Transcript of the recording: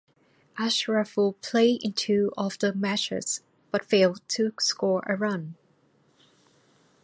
Ashraful played in two of the matches, but failed to score a run.